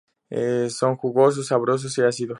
Son jugosos, sabrosos y ácidos.